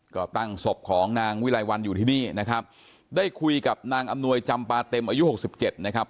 ก็ตั้งศพของนางวิลัยวันอยู่ที่นี่นะครับได้คุยกับนางอำนวยจำปาเต็มอายุหกสิบเจ็ดนะครับ